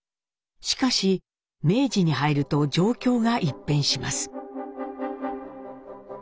しかし明治に入ると状況が一変します。